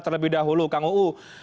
terlebih dahulu kang uu